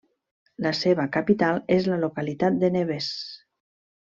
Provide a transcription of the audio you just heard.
La seva capital és la localitat de Neves.